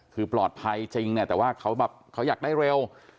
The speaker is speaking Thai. คือปลอดภัยจริงเนี่ยแต่ว่าเขาแบบเขาอยากได้เร็ว